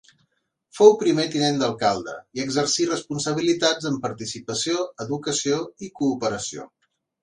Fou primer Tinent d’Alcalde, i exercí responsabilitats en Participació, Educació i Cooperació.